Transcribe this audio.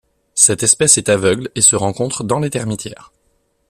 Cette espèce est aveugle et se rencontre dans les termitières.